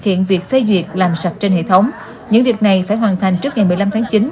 hiện việc phê duyệt làm sạch trên hệ thống những việc này phải hoàn thành trước ngày một mươi năm tháng chín